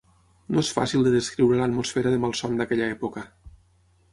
No és fàcil de descriure l'atmosfera de malson d'aquella època